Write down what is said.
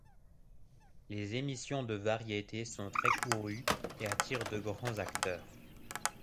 Les émissions de variétés sont très courues et attirent de grands acteurs.